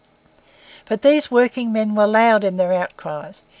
But these working men were loud in their outcries.